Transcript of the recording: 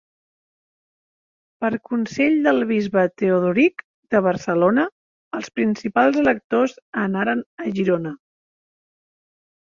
Per consell del bisbe Teodoric de Barcelona, els principals electors anaren a Girona.